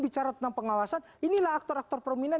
bicara tentang pengawasan inilah aktor aktor prominent